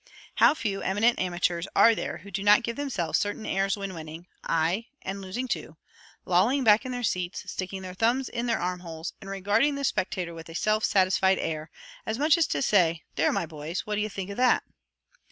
How few eminent amateurs are there who do not give themselves certain airs when winning aye, and losing too lolling back in their seats, sticking their thumbs in their arm holes, and regarding the spectators with a self satisfied air, as much as to say "There, my boys, what d'ye think of that?"